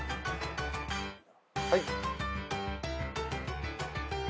はい。